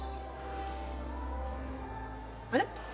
あれ？